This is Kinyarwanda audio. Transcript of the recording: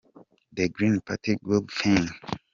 The Green Party , good thing!.